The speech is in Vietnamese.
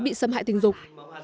bị xâm hại tình dục